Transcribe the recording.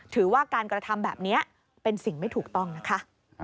ถือว่าการกระทำแบบนี้เป็นสิ่งไม่ถูกต้องนะคะ